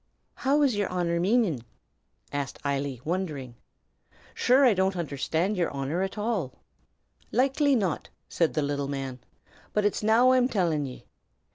"How was yer Honor maning?" asked Eily, wondering. "Sure, I don't undershtand yer Honor at all." "Likely not," said the little man, "but it's now I'm telling ye.